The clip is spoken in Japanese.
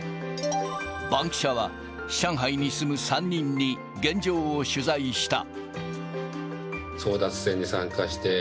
バンキシャは、上海に住む３人に、現状を取材した。